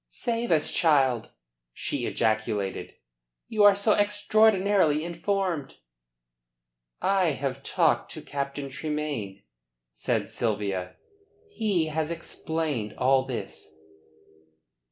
"Save us, child!" she ejaculated. "You are so extraordinarily informed." "I have talked to Captain Tremayne," said Sylvia. "He has explained all this."